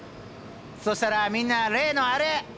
そしたらみんな例のあれ。